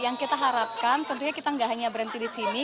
yang kita harapkan tentunya kita nggak hanya berhenti di sini